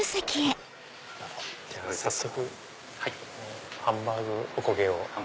早速ハンバーグ・おこげを。